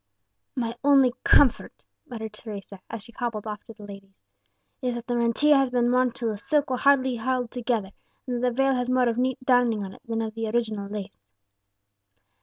"My only comfort," muttered Teresa, as she hobbled after the ladies, "is that the mantilla has been worn till the silk will hardly hold together, and that the veil has more of neat darning on it than of the original lace."